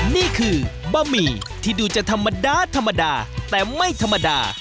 นี่คือบะหมี่ที่ดูจะธรรมดาธรรมดาแต่ไม่ธรรมดา